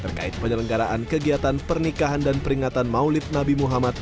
terkait penyelenggaraan kegiatan pernikahan dan peringatan maulid nabi muhammad